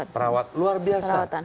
perawat luar biasa